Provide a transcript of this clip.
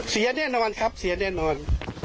แน่นอนครับเสียแน่นอน